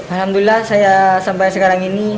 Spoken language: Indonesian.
alhamdulillah saya sampai sekarang ini